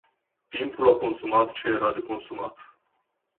Timpul a consumat ce era de consumat.